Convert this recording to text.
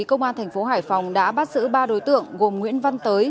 công an tp hải phòng đã bắt giữ ba đối tượng gồm nguyễn văn tới